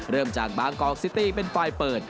เริ่มจากบางกอกซิตี้เป็นไฟล์เปิด